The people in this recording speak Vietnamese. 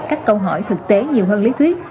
cách câu hỏi thực tế nhiều hơn lý thuyết